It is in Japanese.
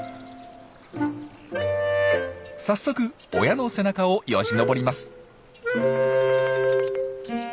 早速親の背中をよじ登ります。